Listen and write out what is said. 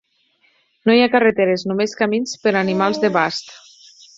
No hi ha carreteres, només camins per a animals de bast.